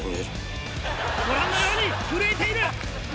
ご覧のように震えている。